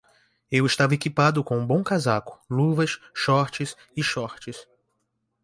Eu estava equipado com um bom casaco, luvas, shorts e shorts.